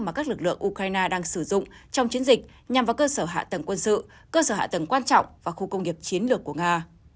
mà các lực lượng ukraine đang sử dụng trong chiến dịch nhằm vào cơ sở hạ tầng quân sự cơ sở hạ tầng quan trọng và khu công nghiệp chiến lược của nga